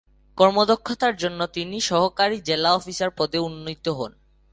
কর্মদক্ষতার জন্য তিনি সহকারী জেলা অফিসার পদে উন্নীত হন।